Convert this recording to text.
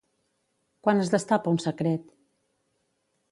Quan es destapa un secret?